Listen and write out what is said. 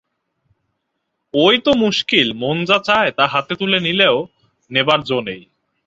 ঐ তো মুশকিল– মন যা চায় তা হাতে তুলে দিলেও নেবার জো নেই।